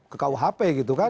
ke kuhp gitu kan